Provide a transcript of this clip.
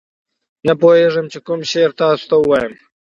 نه پوهېږم چې کوم شعر تاسو ته ووایم.